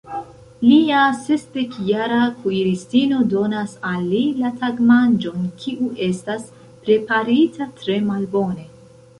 Lia sesdekjara kuiristino donas al li la tagmanĝon, kiu estas preparita tre malbone.